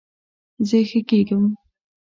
زه ښه کیږم